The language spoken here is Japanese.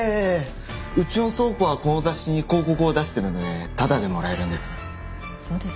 うちの倉庫はこの雑誌に広告を出しているのでタダでもらえるんです。